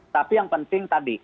tapi yang penting tadi